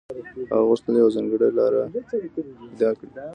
هغه غوښتل يوه ځانګړې لاره پيدا کړي.